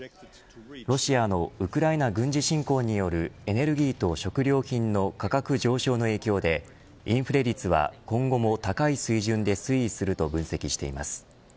ロシアのウクライナ軍事侵攻によるエネルギーと食料品の価格上昇の影響でインフレ率は今後も高い水準で推移すると分析しています。